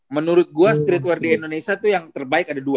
menurut gue streetwear di indonesia tuh yang terbaik ada dua